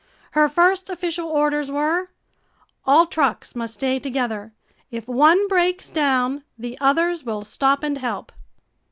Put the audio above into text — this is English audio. Her first official orders were: All trucks must stay together. If one breaks down, the others will stop and help.